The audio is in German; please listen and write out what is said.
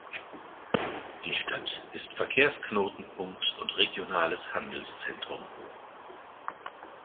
Die Stadt ist Verkehrsknotenpunkt und regionales Handelszentrum.